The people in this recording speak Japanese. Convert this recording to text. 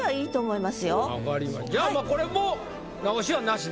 じゃあこれも直しはなしで？